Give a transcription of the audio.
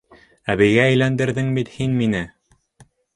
Әбейгә әйләндерҙең бит һин мине!